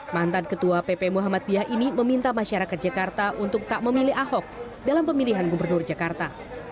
mantan ketua pp muhammadiyah ini meminta masyarakat jakarta untuk tak memilih ahok dalam pemilihan gubernur jakarta